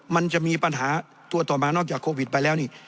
มันจะมีปัญหาตัวต่อมานอกจากโควิดไปแล้วนี่